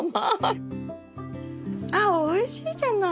あっおいしいじゃない。